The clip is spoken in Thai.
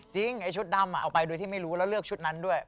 ไอ้ชุดดำเอาไปโดยที่ไม่รู้แล้วเลือกชุดนั้นด้วย